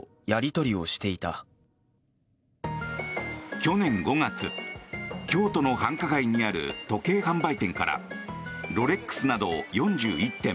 去年５月、京都の繁華街にある時計販売店からロレックスなど４１点